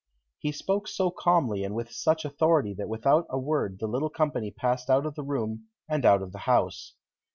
He spoke so calmly and with such authority that without a word the little company passed out of the room and out of the house.